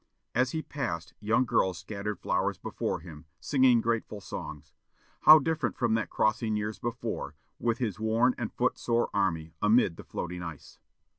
As he passed, young girls scattered flowers before him, singing grateful songs. How different from that crossing years before, with his worn and foot sore army, amid the floating ice!